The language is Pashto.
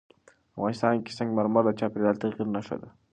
افغانستان کې سنگ مرمر د چاپېریال د تغیر نښه ده.